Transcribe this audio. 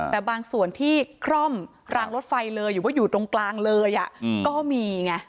แต่บางส่วนที่คร่อมรางรถไฟเลยหรือว่าอยู่ตรงกลางเลยก็มีไง